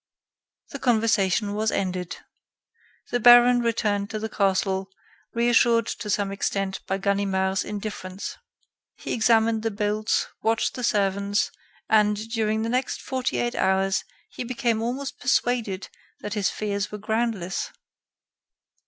The conversation was ended. The baron returned to the castle, reassured to some extent by Ganimard's indifference. He examined the bolts, watched the servants, and, during the next forty eight hours, he became almost persuaded that his fears were groundless.